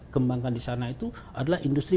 kembangkan disana itu adalah industri